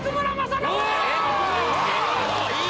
・すごい！